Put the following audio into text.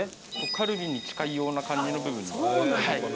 カルビに近いような感じの部分ですね。